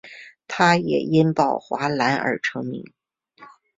他也因宝华蓝而成名。